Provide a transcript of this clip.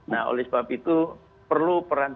nah oleh sebab itu perlu peran